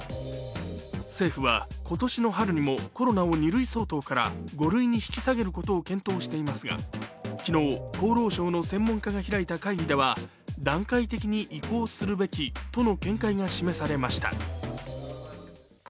政府は今年の春にもコロナを２類相当から５類に引き下げることを検討していますが、昨日、厚労省の専門家が開いた会議では段階的に移行するべきとの見解が示されました。